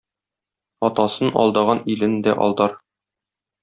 Атасын алдаган илен дә алдар.